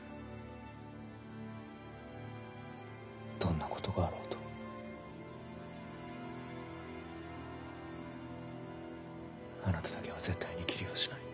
どんなことがあろうとあなただけは絶対に斬りはしない。